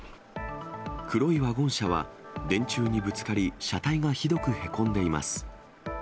黒いワゴン車は、電柱にぶつかり、車体がひどくへこんでいます。